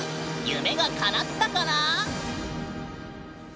夢がかなったかな？